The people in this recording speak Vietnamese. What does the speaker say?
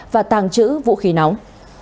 và tàng trữ vũ khí nóng